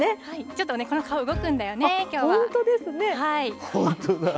ちょっとね、この顔、動くんだよね、きょうは。